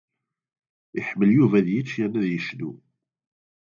Iḥemmel Yuba ad yecḍeḥ yerna ad yecnu.